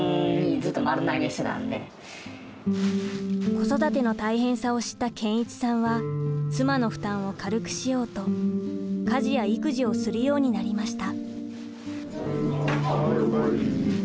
子育ての大変さを知った健一さんは妻の負担を軽くしようと家事や育児をするようになりました。